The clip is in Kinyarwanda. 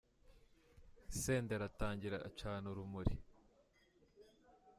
Senderi atangira acana urumuri